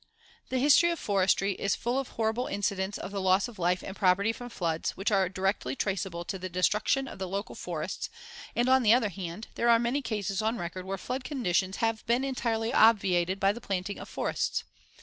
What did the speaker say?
The history of Forestry is full of horrible incidents of the loss of life and property from floods which are directly traceable to the destruction of the local forests and, on the other hand, there are many cases on record where flood conditions have been entirely obviated by the planting of forests.